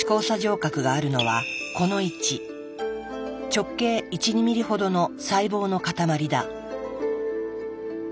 直径１２ミリほどの細胞のかたまりだ。